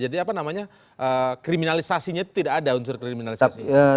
jadi apa namanya kriminalisasinya tidak ada unsur kriminalisasi